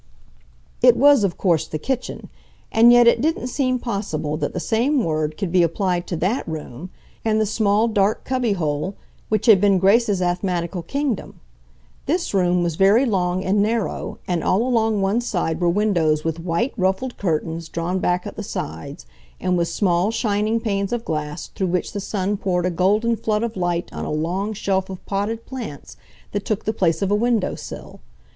It was, of course, the kitchen, and yet it didn't seem possible that the same word could be applied to that room and the small, dark cubby hole which had been Grace's asthmatical kingdom. This room was very long and narrow, and all along one side were windows with white, ruffled curtains drawn back at the sides, and with small, shining panes of glass, through which the sun poured a golden flood of light on a long shelf of potted plants that took the place of a window sill.